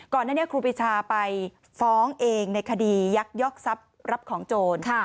ก่อนหน้านี้ครูปีชาไปฟ้องเองในคดียักยอกทรัพย์รับของโจร